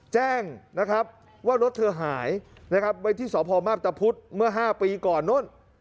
แจ้งนะครับว่ารถเธอหายนะครับไว้ที่สพมาพตะพุธเมื่อ๕ปีก่อนโน่น